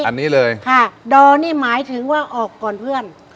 อันนี้เลยค่ะดอนี่หมายถึงว่าออกก่อนเพื่อน